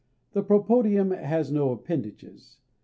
The propodeum has no appendages.